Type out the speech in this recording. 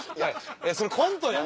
「それコントやん！」。